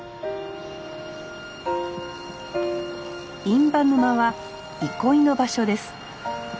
印旛沼は憩いの場所です。